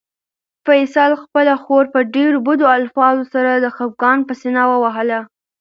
فیصل خپله خور په ډېرو بدو الفاظو سره د خپګان په سېنه ووهله.